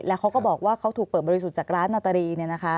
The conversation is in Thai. แล้วเขาก็บอกว่าเขาถูกเปิดบริสุทธิ์จากร้านนาตรี